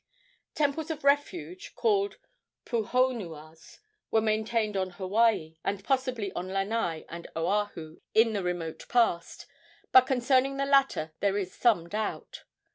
Temples of refuge, called puhonuas, were maintained on Hawaii, and possibly on Lanai and Oahu in the remote past; but concerning the latter there is some doubt.